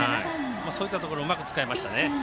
そういったところをうまく使いましたね。